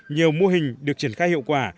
nhiều mô hình được triển khai hiệu quả